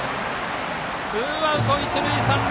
ツーアウト一塁三塁。